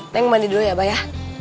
neng mandi dulu ya abah ya